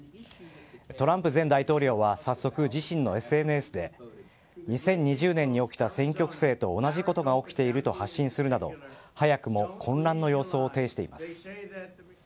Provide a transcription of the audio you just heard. トランプ前大統領は早速、自身のＳＮＳで２０２０年に起きた選挙不正と同じことが起きていると発信するなど、早くも混乱の様相を呈しています。